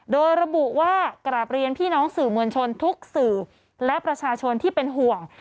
โดยระบุว่ากราบเรียนพี่น้องสื่อมวลชนทุกสื่อและประชาชนที่เป็นห่วง